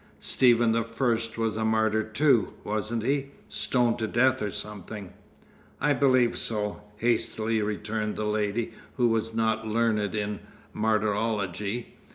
Stephen the First was a martyr too, wasn't he? Stoned to death or something." "I believe so," hastily returned the lady, who was not learned in martyrology.